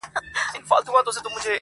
له طبیعت سره د مخامختیا